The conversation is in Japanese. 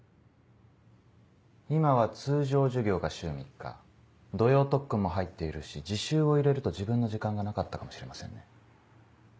今は通常授業が週３日土曜特訓も入っているし自習を入れると自分の時間がなかったかもしれませんね。